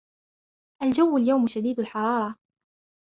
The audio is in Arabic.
الجو اليوم شديد الحرارة.